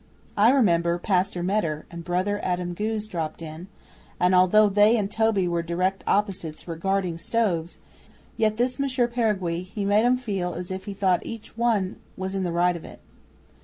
I remember Pastor Meder and Brother Adam Goos dropped 'in, and although they and Toby were direct opposite sides regarding stoves, yet this Monsieur Peringuey he made 'em feel as if he thought each one was in the right of it.